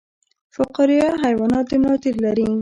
فقاریه حیوانات د ملا تیر لري